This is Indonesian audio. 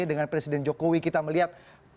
dengan presiden jokowi kita melihat